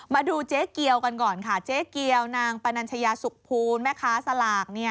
มาดูเจ๊เกียวกันก่อนค่ะเจ๊เกียวนางปนัญชยาสุขภูลแม่ค้าสลาก